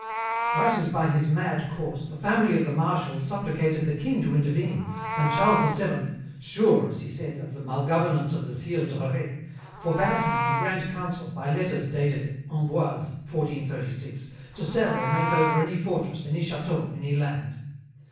"Frightened by his mad course, the family of the Marshal supplicated the king to intervene, and Charles VII,'sure,' as he said, 'of the malgovernance of the Sire de Rais,' forbade him, in grand council, by letters dated 'Amboise, 1436,' to sell or make over any fortress, any château, any land.